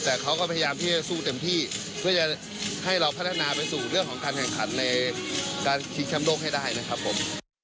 แต่เขาก็พยายามที่จะสู้เต็มที่เพื่อจะให้เราพัฒนาไปสู่เรื่องของการแข่งขันในการชิงแชมป์โลกให้ได้นะครับผม